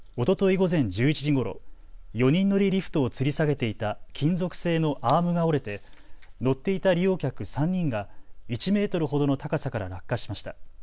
午前１１時ごろ４人乗りリフトをつり下げていた金属製のアームが折れて乗っていた利用客３人が１メートルほどの高さから落下しました。